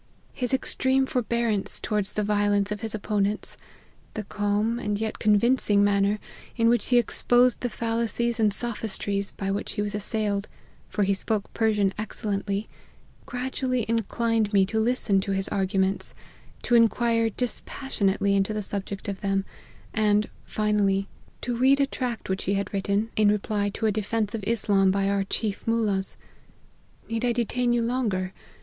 His extreme forbearance towards the violence of his opponents, the calm and yet convincing manner in which he exposed the fallacies and sophistries by which he was assailed, (for he spoke Persian excellently,) gradually inclin ed me to listen to his arguments, to inquire dispas sionately into the subject of them, and, finally, to read a tract which he had written, in reply to a de fence of Islam by our chief moollahs. Need I detain you longer